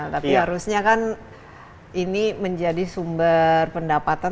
tapi harusnya kan ini menjadi sumber pendapatan